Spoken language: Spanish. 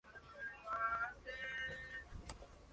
Y llegó a liderar las filas de la dirección del partido.